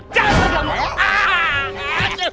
jangan kemana kamu